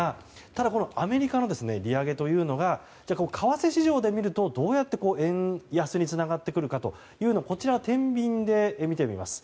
ただアメリカの利上げというのが為替市場で見るとどうやって円安につながっていくるかというのをこちら、天秤で見てみます。